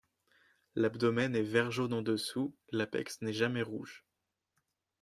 L'abdomen est vert jaune en dessous, l'apex n'est jamais rouge.